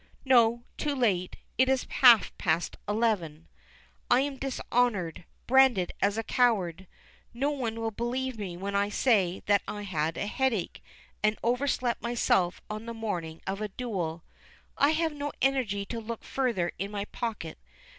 No, too late; it is half past eleven. I am dishonoured, branded as a coward! No one will believe me when I say that I had a headache, and overslept myself on the morning of a duel. I have no energy to look further in my pocket.